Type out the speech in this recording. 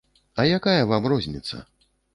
А якая вам розніца?